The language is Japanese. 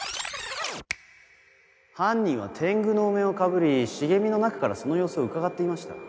犯人は天狗のお面をかぶり茂みの中からその様子をうかがっていました